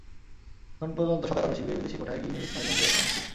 এখন পর্যন্ত সাদাকালো শিবিরে বিদেশি কোটায় গিনির ইসমাইল বাঙ্গুরার খেলা নিশ্চিত।